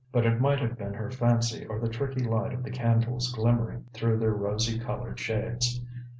But it might have been her fancy or the tricky light of the candles glimmering through their rosy coloured shades.